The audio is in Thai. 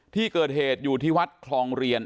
ที่เกิดเหตุอยู่ที่วัดคลองเรียน